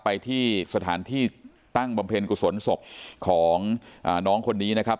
ไปที่สถานที่ตั้งบำเพ็ญกุศลศพของน้องคนนี้นะครับ